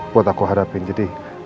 buat aku hadapin jadi